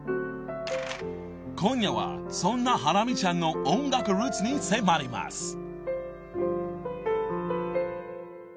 ［今夜はそんなハラミちゃんの音楽ルーツに迫ります］